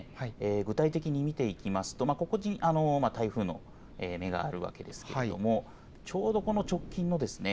具体的に見ていきますとここに台風の目があるわけですけれどもちょうどこの直近のですね